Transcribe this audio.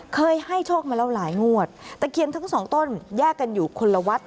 เคยให้โชคมาแล้วหลายงวดตะเคียนทั้งสองต้นแยกกันอยู่คนละวัด